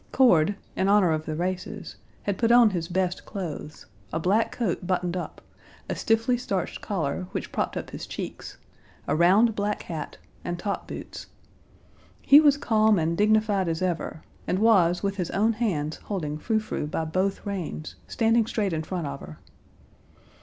Cord, in honor of the races, had put on his best clothes, a black coat buttoned up, a stiffly starched collar, which propped up his cheeks, a round black hat, and top boots. He was calm and dignified as ever, and was with his own hands holding Frou Frou by both reins, standing straight in front of her.